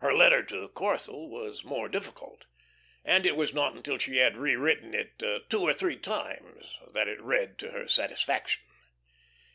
Her letter to Corthell was more difficult, and it was not until she had rewritten it two or three times that it read to her satisfaction.